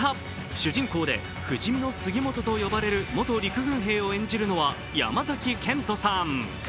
主人公で不死身の杉元と呼ばれる元陸軍兵を演じるのが山崎賢人さん。